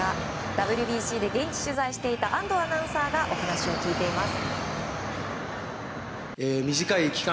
ＷＢＣで現地取材していた安藤アナウンサーがお話を聞いています。